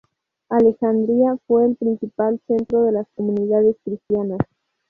Alejandría fue el principal centro de las comunidades cristianas.